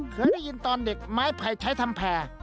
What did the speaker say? เคยได้ยินตอนเด็กไม้ไผ่ใช้ทำแผ่